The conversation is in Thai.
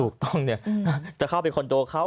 ถูกต้องเนี่ยจะเข้าไปคอนโดเขา